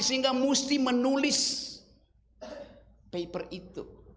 sehingga mesti menulis paper itu